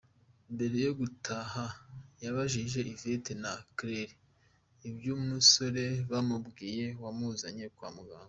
Mbere yo gutaha yabajije Yvette na Claire iby’umusore bamubwiye wamuzanye kwa muganga.